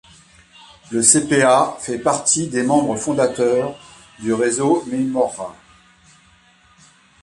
Le Cpa fait partie des membres fondateurs du Réseau Memorha.